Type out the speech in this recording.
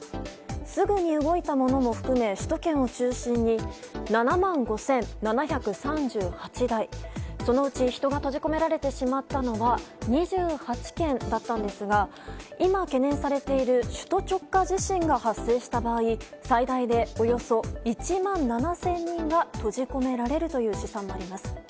すぐに動いたものも含め首都圏を中心に７万５７３８台そのうち人が閉じ込められてしまったのは２８件だったんですが今懸念されている首都直下地震が発生した場合最大でおよそ１万７０００人が閉じ込められるという試算になります。